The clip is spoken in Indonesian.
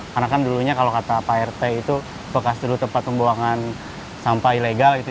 karena kan dulunya kalau kata pak rt itu bekas dulu tempat pembuangan sampah ilegal gitu